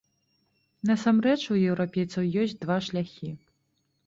Насамрэч у еўрапейцаў ёсць два шляхі.